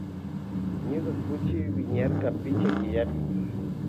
Ñuka kuchi wiñarka pichka killapilla.